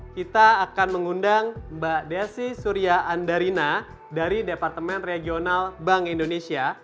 kita akan mengundang mbak desi surya andarina dari departemen regional bank indonesia